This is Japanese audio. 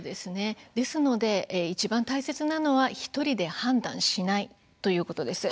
ですのでいちばん大切なのは１人で判断しないということです。